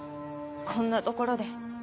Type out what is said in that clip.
こんなところで。